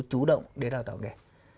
chú động để đào tạo nghề